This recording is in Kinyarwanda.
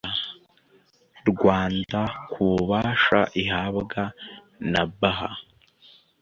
Rwanda ku bubasha ihabwa na Baha